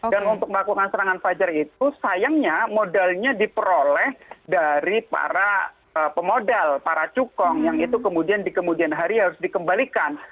dan untuk melakukan serangan fajar itu sayangnya modalnya diperoleh dari para pemodal para cukong yang itu kemudian di kemudian hari harus dikembalikan